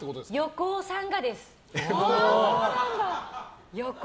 横尾さんがです。